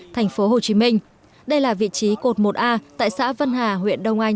thành phố hồ chí minh đây là vị trí cột một a tại xã vân hà huyện đông anh